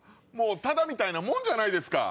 タダみたいなもんじゃないですか。